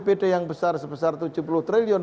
melakukan ppd yang besar sebesar tujuh puluh triliun